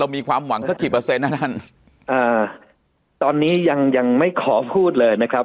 มีความหวังสักกี่เปอร์เซ็นนะท่านอ่าตอนนี้ยังยังไม่ขอพูดเลยนะครับ